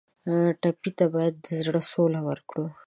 ټپي ته باید د زړه سوله ورکړو.